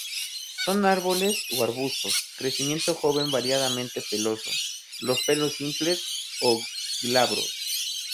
Son árboles o arbustos; crecimiento joven variadamente peloso, los pelos simples o glabros.